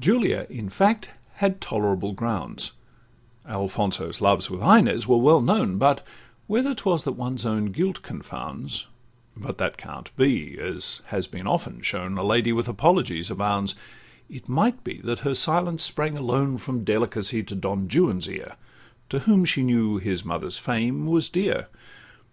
Julia, in fact, had tolerable grounds,— Alfonso's loves with Inez were well known, But whether 'twas that one's own guilt confounds— But that can't be, as has been often shown, A lady with apologies abounds;— It might be that her silence sprang alone From delicacy to Don Juan's ear, To whom she knew his mother's fame was dear.